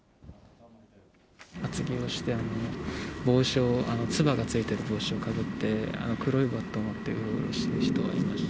厚着をして、帽子を、つばがついてる帽子をかぶって、黒いバットを持ってうろうろしている人はいました。